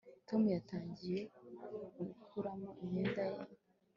Tom yatangiye gukuramo imyenda ye